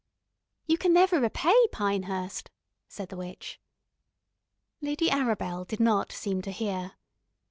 "You can never repay Pinehurst," said the witch. Lady Arabel did not seem to hear.